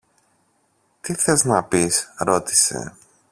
Τι θες να πεις; ρώτησε.